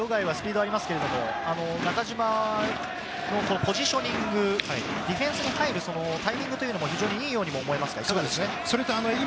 塩貝が攻めますけど、中嶋のポジショニング、ディフェンスに入るタイミングというのも非常にいいように思いますが、いかがでしょうか？